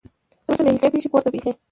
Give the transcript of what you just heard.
ورورسته له هغې پېښې کور ته بېخي